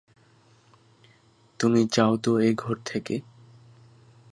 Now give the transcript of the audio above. তুমি যাও তো এ-ঘর থেকে।